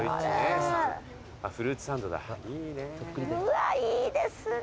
うわいいですね。